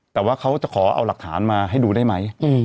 แต่ว่าเขาจะขอเอาหลักฐานมาให้ดูได้ไหม